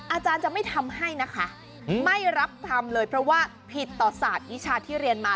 อาจารย์จะไม่ทำให้นะคะไม่รับทำเลยเพราะว่าผิดต่อศาสตร์วิชาที่เรียนมา